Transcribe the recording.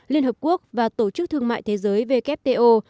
liên hợp quốc và tổ chức thương mại thế giới wto